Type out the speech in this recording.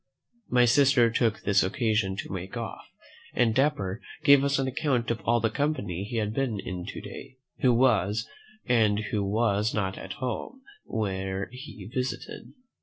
My sister took this occasion to make off, and Dapper gave us an account of all the company he had been in to day, who was, and who was not at home, where he visited.